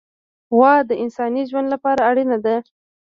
غوا د انساني ژوند لپاره اړینه ده.